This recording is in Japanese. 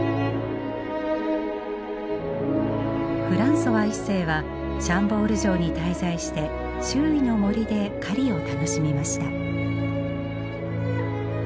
フランソワ一世はシャンボール城に滞在して周囲の森で狩りを楽しみました。